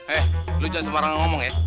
eh lo jangan sebarang ngomong ya